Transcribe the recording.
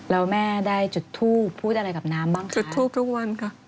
แล้วแม่ได้จุดทูบพูดอะไรกับน้ำบ้างคะจุดทูปทุกวันค่ะ